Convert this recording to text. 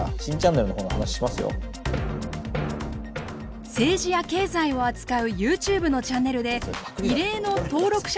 あれですから政治や経済を扱うＹｏｕＴｕｂｅのチャンネルで異例の登録者